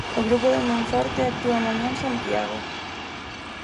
O grupo de Monforte actúa mañá en Santiago.